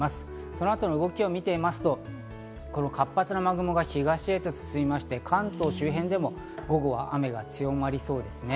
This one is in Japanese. そのあとの動きを見てみますと、活発な雨雲が東へと進みまして関東周辺でも午後は雨が強まりそうですね。